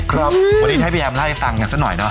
ครับวันนี้ให้พี่แอมไล่ฟังกันสักหน่อยเนอะ